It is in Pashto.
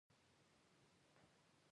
بدرنګه نیت بدې پایلې لري